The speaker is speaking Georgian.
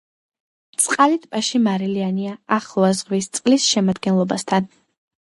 წყალი ტბაში მარილიანია, ახლოა ზღვის წყლის შემადგენლობასთან.